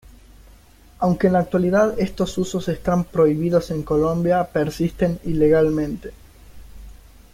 Aunque en la actualidad estos usos están prohibidos en Colombia, persisten ilegalmente.